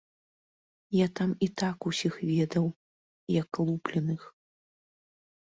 Я там і так усіх ведаў, як лупленых.